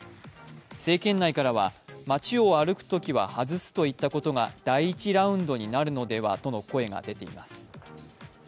政権内からは街を歩くときは外すといったことが第一ラウンドになるのではとの声が出てています。